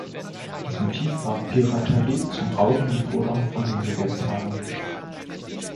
Das Motiv war Piraterie zum Rauben und Fordern von Lösegeldzahlungen.